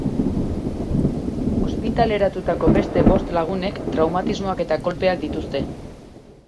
Ospitaleratutako beste bost lagunek traumatismoak eta kolpeak dituzte.